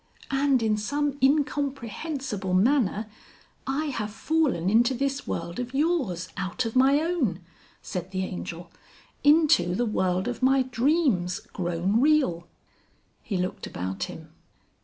"And in some incomprehensible manner I have fallen into this world of yours out of my own!" said the Angel, "into the world of my dreams, grown real." He looked about him.